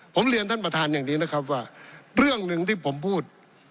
ผมเรียนท่านประธานอย่างนี้นะครับว่าเรื่องหนึ่งที่ผมพูด